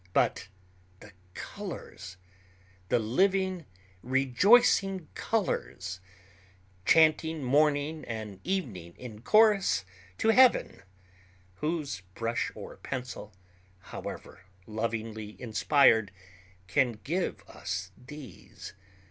But the colors, the living rejoicing colors, chanting morning and evening in chorus to heaven! Whose brush or pencil, however lovingly inspired, can give us these?